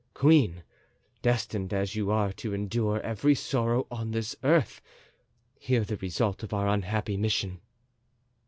Queen, destined as you are to endure every sorrow on this earth, hear the result of our unhappy mission."